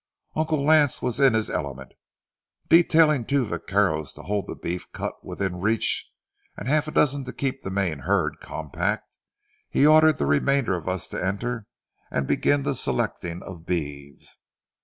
Uncle Lance was in his element. Detailing two vaqueros to hold the beef cut within reach and a half dozen to keep the main herd compact, he ordered the remainder of us to enter and begin the selecting of beeves.